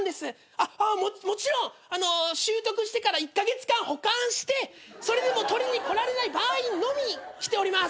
あっもちろん拾得してから１カ月間保管してそれでも取りに来られない場合のみ着ております。